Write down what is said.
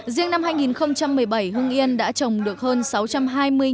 riêng năm hai nghìn một mươi bảy hương yên đã trồng được hơn sáu trăm hai mươi cây cây